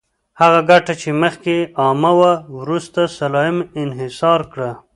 هغه ګټه چې مخکې عامه وه، وروسته سلایم انحصار کړه.